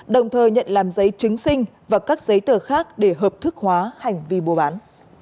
đồng thời nhận làm giấy chứng sinh và các giấy tờ khác để hợp thức hóa hành vi mua bán